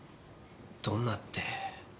どんなって。